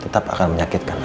tetap akan menyakitkan alam